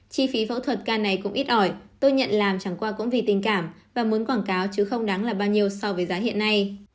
chi phí phẫu thuật ca này cũng ít ỏi tôi nhận làm chẳng qua cũng vì tình cảm và muốn quảng cáo chứ không đáng là bao nhiêu so với giá hiện nay